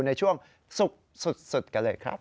ในช่วงสุขสุดกันเลยครับ